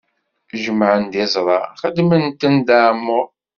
Jemɛen-d iẓra, xedmen-ten d aɛemmuṛ.